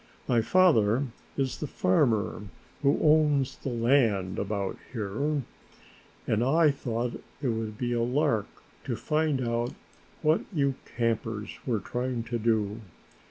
My father is the farmer who owns the land about here and I thought it would be a lark to find out what you campers were trying to do.